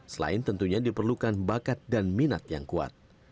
selain tentunya diperlukan bakat dan minat yang kuat